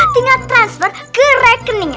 tinggal transfer ke rekeningnya